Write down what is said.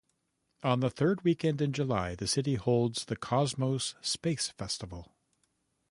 On the third weekend in July, the city holds the Cosmos Space Festival.